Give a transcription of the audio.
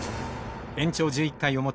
延長１１回表。